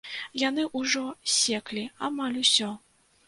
Яны ўжо ссеклі амаль усё.